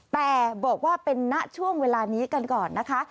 แต่บอกว่าเป็นณช่วงเวลานี้กันก่อนนะคะ